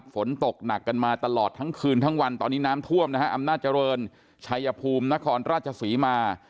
ฝนตกหนักกันมาตลอดทั้งคืนทั้งวันตอนนี้น้ำท่วมนะฮะอำนาจเจริญชัยภูมินครราชศรีมา